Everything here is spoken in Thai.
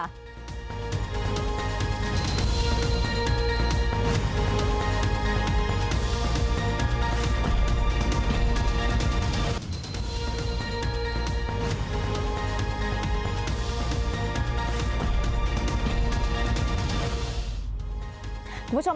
คุณผู้ชม